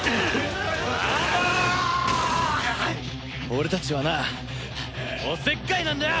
俺たちはなおせっかいなんだよ！